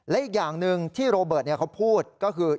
และอีกอย่างหนึ่งที่โรเบิร์ตเขาพูดก็คือ